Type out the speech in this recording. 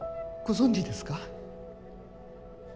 ご存じですか？